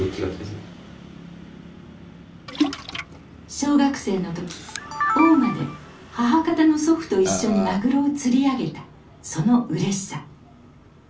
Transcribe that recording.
小学生の時大間で母方の祖父と一緒にマグロを釣り上げたそのうれしさ。